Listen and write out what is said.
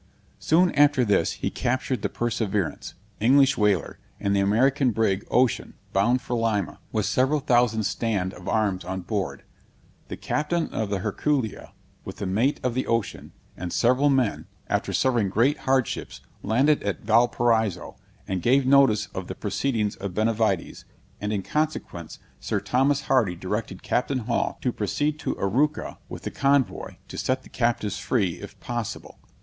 Soon after this he captured the Perseverance, English whaler, and the American brig Ocean, bound for Lima, with several thousand stand of arms on board. The captain of the Herculia, with the mate of the Ocean, and several men, after suffering great hardships, landed at Valparaiso, and gave notice of the proceedings of Benavides; and in consequence, Sir Thomas Hardy directed Captain Hall to proceed to Arauca with the convoy, to set the captives free, if possible.